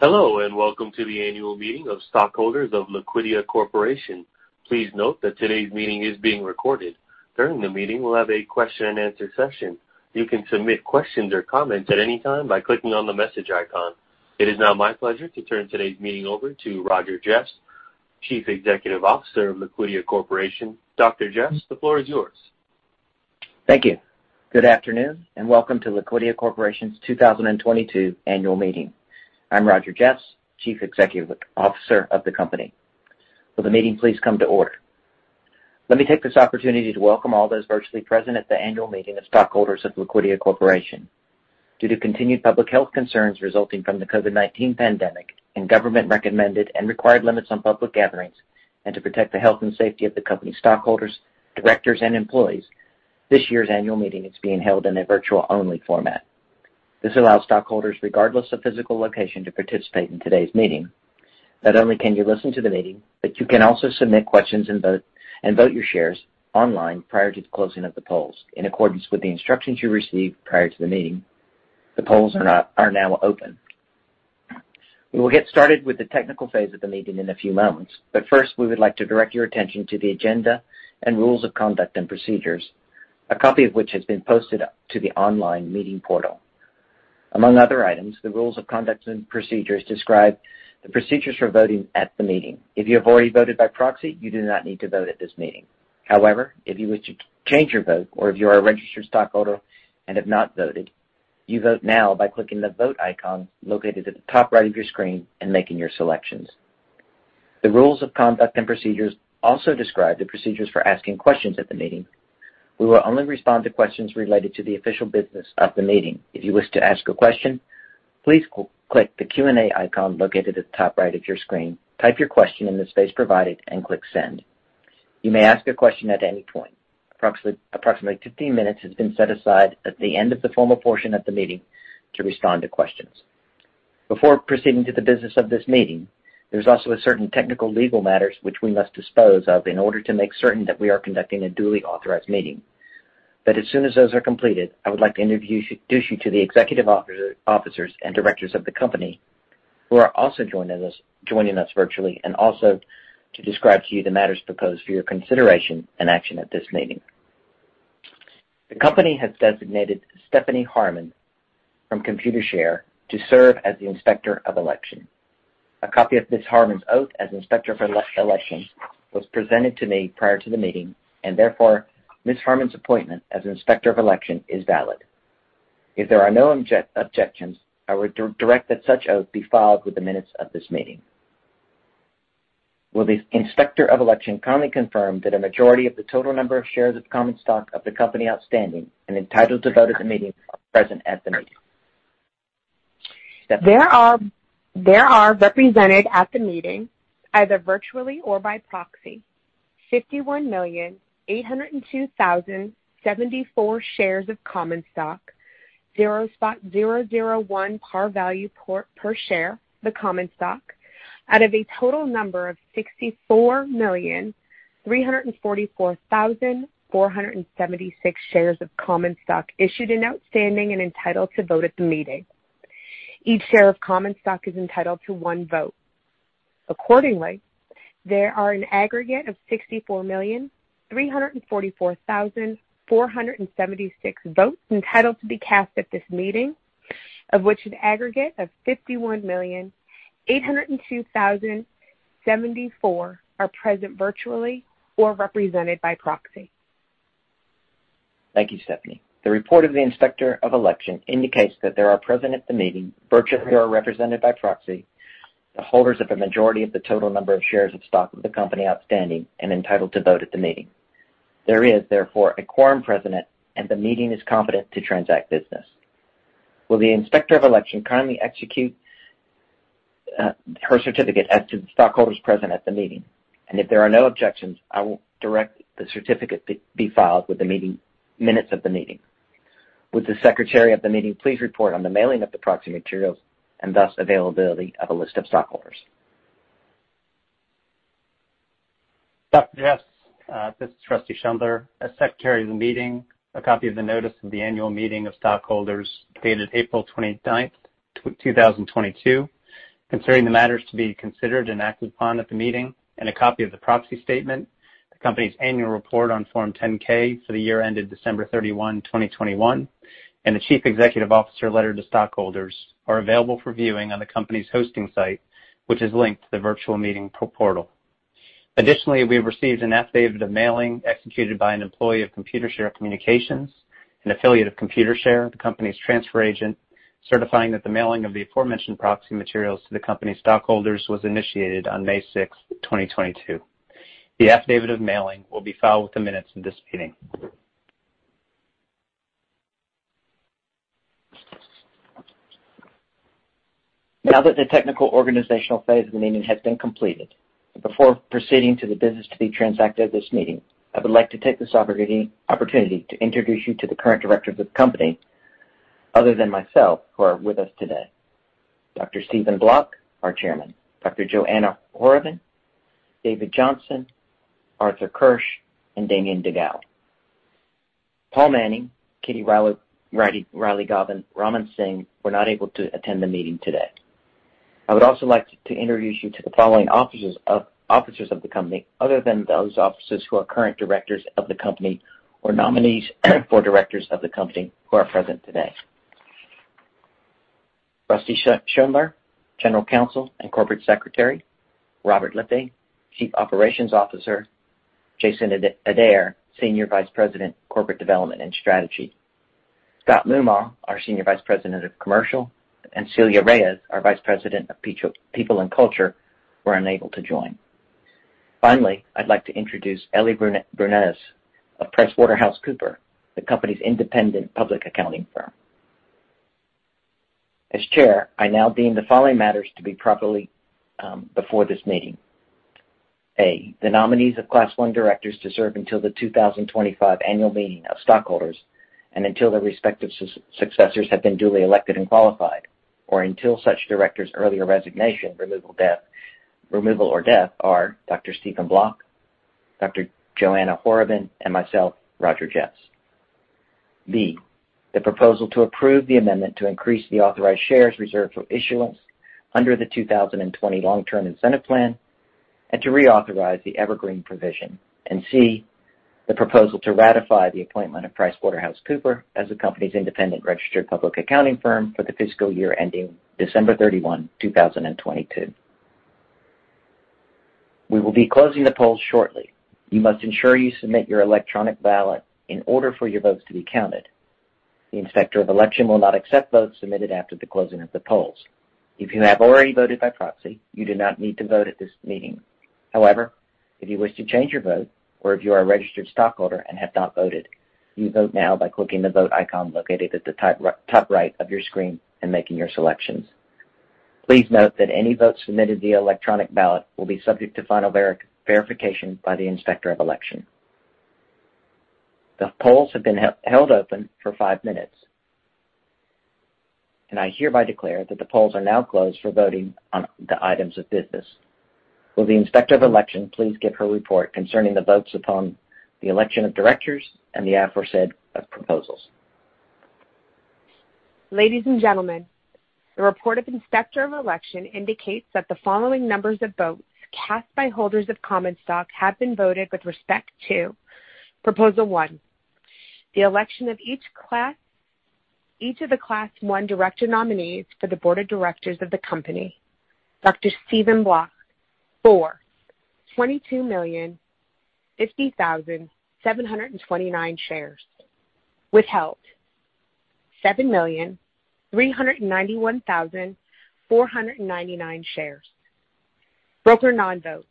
Hello, and welcome to the annual meeting of stockholders of Liquidia Corporation. Please note that today's meeting is being recorded. During the meeting, we'll have a question and answer session. You can submit questions or comments at any time by clicking on the message icon. It is now my pleasure to turn today's meeting over to Roger A. Jeffs, Chief Executive Officer of Liquidia Corporation. Dr. Jeffs, the floor is yours. Thank you. Good afternoon, and welcome to Liquidia Corporation's 2022 annual meeting. I'm Roger Jeffs, Chief Executive Officer of the company. Will the meeting please come to order. Let me take this opportunity to welcome all those virtually present at the annual meeting of stockholders of Liquidia Corporation. Due to continued public health concerns resulting from the COVID-19 pandemic and government recommended and required limits on public gatherings, and to protect the health and safety of the company stockholders, directors and employees, this year's annual meeting is being held in a virtual-only format. This allows stockholders, regardless of physical location, to participate in today's meeting. Not only can you listen to the meeting, but you can also submit questions and vote, and vote your shares online prior to the closing of the polls. In accordance with the instructions you received prior to the meeting, the polls are now open. We will get started with the technical phase of the meeting in a few moments, but first, we would like to direct your attention to the agenda and rules of conduct and procedures, a copy of which has been posted to the online meeting portal. Among other items, the rules of conduct and procedures describe the procedures for voting at the meeting. If you have already voted by proxy, you do not need to vote at this meeting. However, if you wish to change your vote or if you are a registered stockholder and have not voted, you vote now by clicking the vote icon located at the top right of your screen and making your selections. The rules of conduct and procedures also describe the procedures for asking questions at the meeting. We will only respond to questions related to the official business of the meeting. If you wish to ask a question, please click the Q&A icon located at the top right of your screen, type your question in the space provided, and click Send. You may ask a question at any point. Approximately 15 minutes has been set aside at the end of the formal portion of the meeting to respond to questions. Before proceeding to the business of this meeting, there's also a certain technical legal matters which we must dispose of in order to make certain that we are conducting a duly authorized meeting. As soon as those are completed, I would like to introduce you to the executive officers and directors of the company who are also joining us virtually, and also to describe to you the matters proposed for your consideration and action at this meeting. The company has designated Stephanie Harmon from Computershare to serve as the Inspector of Election. A copy of Ms. Harmon's oath as Inspector of Election was presented to me prior to the meeting, and therefore Ms. Harmon's appointment as an Inspector of Election is valid. If there are no objections, I would direct that such oath be filed with the minutes of this meeting. Will the Inspector of Election kindly confirm that a majority of the total number of shares of common stock of the company outstanding and entitled to vote at the meeting are present at the meeting? Stephanie. There are represented at the meeting, either virtually or by proxy, 51,802,074 shares of common stock, 0.001 par value per share of the common stock, out of a total number of 64,344,476 shares of common stock issued and outstanding and entitled to vote at the meeting. Each share of common stock is entitled to one vote. Accordingly, there are an aggregate of 64,344,476 votes entitled to be cast at this meeting, of which an aggregate of 51,802,074 are present virtually or represented by proxy. Thank you, Stephanie. The report of the Inspector of Election indicates that there are present at the meeting, virtually or represented by proxy, the holders of a majority of the total number of shares of stock of the company outstanding and entitled to vote at the meeting. There is, therefore, a quorum present, and the meeting is competent to transact business. Will the Inspector of Election kindly execute her certificate as to the stockholders present at the meeting? If there are no objections, I will direct the certificate be filed with the minutes of the meeting. Would the Secretary of the meeting please report on the mailing of the proxy materials and the availability of a list of stockholders? Dr. Jeffs, this is Rusty Schundler. As Secretary of the meeting, a copy of the notice of the annual meeting of stockholders dated April 29, 2022, concerning the matters to be considered and acted upon at the meeting, and a copy of the proxy statement, the company's annual report on Form 10-K for the year ended December 31, 2021, and the Chief Executive Officer letter to stockholders are available for viewing on the company's hosting site, which is linked to the virtual meeting portal. Additionally, we have received an affidavit of mailing executed by an employee of Computershare Communication Services, an affiliate of Computershare, the company's transfer agent, certifying that the mailing of the aforementioned proxy materials to the company stockholders was initiated on May 6, 2022. The affidavit of mailing will be filed with the minutes of this meeting. Now that the technical organizational phase of the meeting has been completed, and before proceeding to the business to be transacted at this meeting, I would like to take this opportunity to introduce you to the current directors of the company, other than myself, who are with us today. Dr. Stephen Bloch, our Chairman, Dr. Joanna Horobin, David Johnson, Arthur Kirsch, and Damian deGoa. Paul Manning, Katie Rielly-Gauvin, Raman Singh were not able to attend the meeting today. I would also like to introduce you to the following officers of the company other than those officers who are current directors of the company or nominees for directors of the company who are present today. Rusty Schundler, General Counsel and Corporate Secretary. Robert Lippe, Chief Operations Officer. Jason Adair, Senior Vice President, Corporate Development and Strategy. Scott Moomaw, our senior vice president of commercial, and Celia Reyes, our vice president of people and culture, were unable to join. Finally, I'd like to introduce Ali Bernes of PricewaterhouseCoopers, the company's independent public accounting firm. As chair, I now deem the following matters to be properly before this meeting. A, the nominees of Class I directors to serve until the 2025 annual meeting of stockholders and until their respective successors have been duly elected and qualified, or until such directors earlier resignation, removal, or death are Dr. Stephen Bloch, Dr. Joanna Horobin, and myself, Roger A. Jeffs. B, the proposal to approve the amendment to increase the authorized shares reserved for issuance under the 2020 Long-Term Incentive Plan and to reauthorize the Evergreen provision. C, the proposal to ratify the appointment of PricewaterhouseCoopers as the company's independent registered public accounting firm for the fiscal year ending December 31, 2022. We will be closing the polls shortly. You must ensure you submit your electronic ballot in order for your votes to be counted. The Inspector of Election will not accept votes submitted after the closing of the polls. If you have already voted by proxy, you do not need to vote at this meeting. However, if you wish to change your vote or if you are a registered stockholder and have not voted, you vote now by clicking the Vote icon located at the top right of your screen and making your selections. Please note that any votes submitted via electronic ballot will be subject to final verification by the Inspector of Election. The polls have been held open for five minutes. I hereby declare that the polls are now closed for voting on the items of business. Will the Inspector of Election please give her report concerning the votes upon the election of directors and the aforesaid proposals? Ladies and gentlemen, the report of Inspector of Election indicates that the following numbers of votes cast by holders of common stock have been voted with respect to Proposal One, the election of each class, each of the Class One director nominees for the board of directors of the company, Dr. Stephen Bloch. For, 22,050,729 shares. Withheld, 7,391,499 shares. Broker non-vote,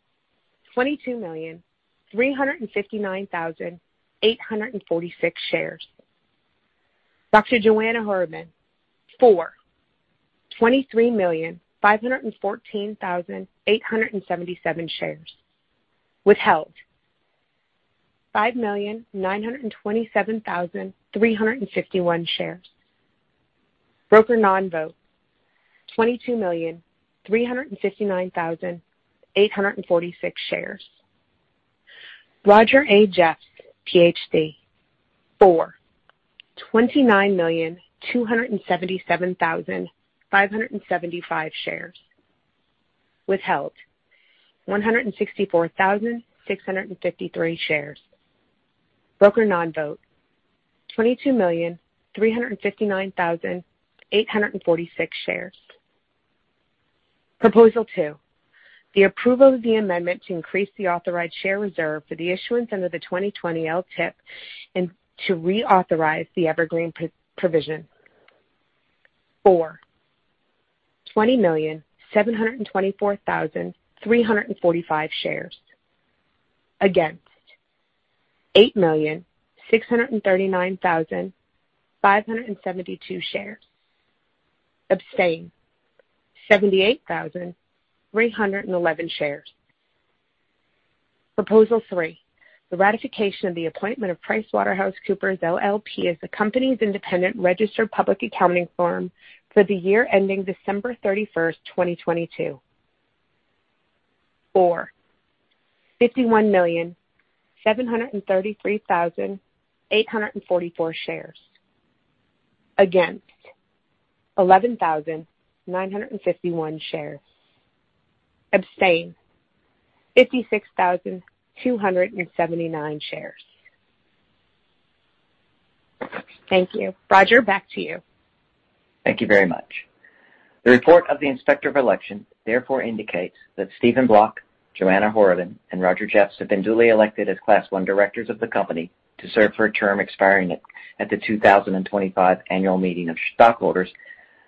22,359,846 shares. Dr. Joanna Horobin. For, 23,514,877 shares. Withheld, 5,927,351 shares. Broker non-vote, 22,359,846 shares. Roger A. Jeffs, PhD. For, 29,277,575 shares. Withheld, 164,653 shares. Broker non-vote, 22,359,846 shares. Proposal 2, the approval of the amendment to increase the authorized share reserve for the issuance under the 2020 LTIP and to reauthorize the Evergreen provision. For, 20,724,345 shares. Against, 8,639,572 shares. Abstain, 78,311 shares. Proposal 3, the ratification of the appointment of PricewaterhouseCoopers LLP as the company's independent registered public accounting firm for the year ending December 31, 2022. For, 51,733,844 shares. Against, 11,951 shares. Abstain, 56,279 shares. Thank you. Roger, back to you. Thank you very much. The report of the Inspector of Election therefore indicates that Stephen Bloch, Joanna Horobin, and Roger Jeffs have been duly elected as Class I directors of the company to serve for a term expiring at the 2025 annual meeting of stockholders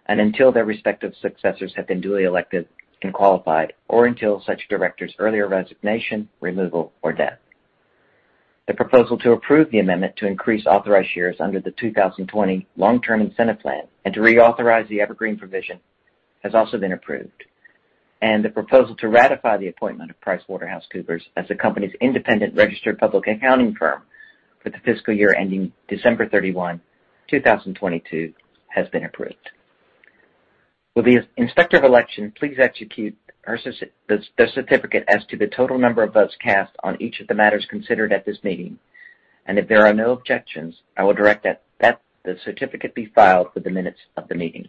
and until their respective successors have been duly elected and qualified, or until such directors their resignation, removal, or death. The proposal to approve the amendment to increase authorized shares under the 2020 Long-Term Incentive Plan and to reauthorize the Evergreen provision has also been approved. The proposal to ratify the appointment of PricewaterhouseCoopers as the company's independent registered public accounting firm for the fiscal year ending December 31, 2022, has been approved. Will the inspector of election please execute the certificate as to the total number of votes cast on each of the matters considered at this meeting? If there are no objections, I will direct that the certificate be filed with the minutes of the meeting.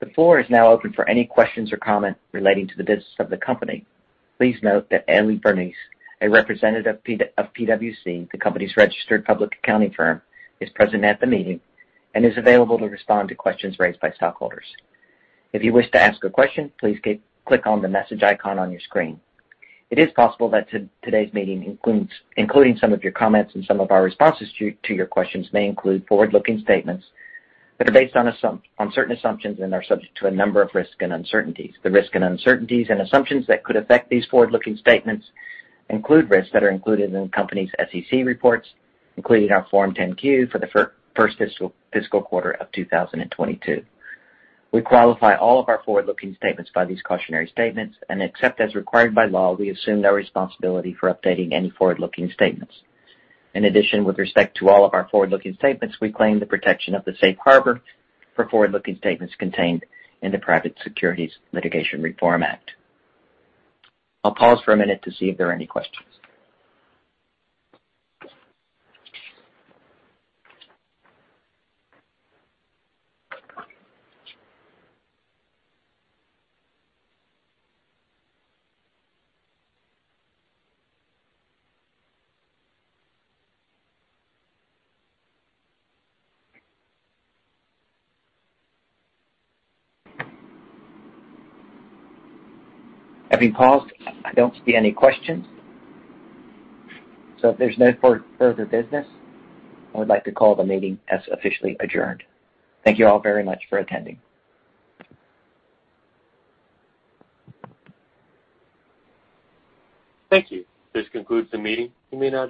The floor is now open for any questions or comments relating to the business of the company. Please note that Ali Bernice, a representative of PwC, the company's registered public accounting firm, is present at the meeting and is available to respond to questions raised by stockholders. If you wish to ask a question, please click on the message icon on your screen. It is possible that today's meeting, including some of your comments and some of our responses to your questions, may include forward-looking statements that are based on certain assumptions and are subject to a number of risks and uncertainties. The risks, uncertainties, and assumptions that could affect these forward-looking statements include risks that are included in the company's SEC reports, including our Form 10-Q for the first fiscal quarter of 2022. We qualify all of our forward-looking statements by these cautionary statements, and except as required by law, we assume no responsibility for updating any forward-looking statements. In addition, with respect to all of our forward-looking statements, we claim the protection of the safe harbor for forward-looking statements contained in the Private Securities Litigation Reform Act. I'll pause for a minute to see if there are any questions. Having paused, I don't see any questions. If there's no further business, I would like to call the meeting as officially adjourned. Thank you all very much for attending. Thank you. This concludes the meeting. You may now disconnect.